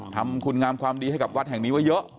ทำคุณงามความดีให้กับวัดแห่งนี้ไว้เยอะ